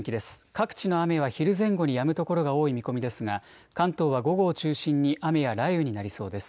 各地の雨は昼前後にやむ所が多い見込みですが関東は午後を中心に雨や雷雨になりそうです。